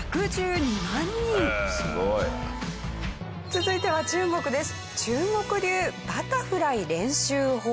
続いては中国です。